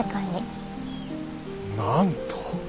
なんと。